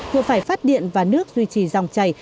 vừa phải phát điện và nước duy trì dòng chảy